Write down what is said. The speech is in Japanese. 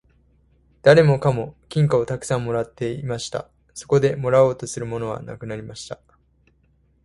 誰もかも金貨をたくさん貰って持っていました。そこでもう貰おうとするものはなくなりました。